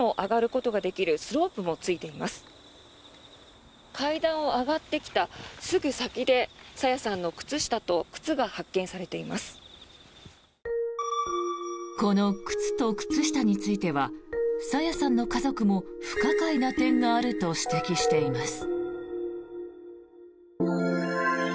この靴と靴下については朝芽さんの家族も不可解な点があると指摘しています。